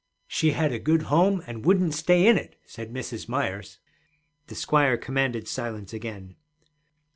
'She had a good home and wouldn't stay in it,' said Mrs. Myers. The squire commanded silence again.